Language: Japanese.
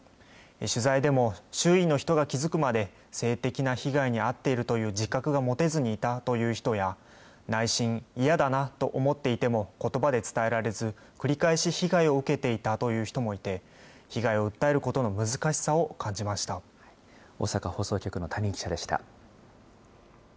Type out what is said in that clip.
取材でも周囲の人が気付くまで、性的な被害に遭っているという自覚が持てずにいたという人や、内心、嫌だなと思っていても、ことばで伝えられず、繰り返し被害を受けていたという人もいて、被害を訴えることの難しさを感じまし大阪放送局の谷井記者でした。